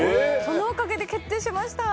そのおかげで決定しました！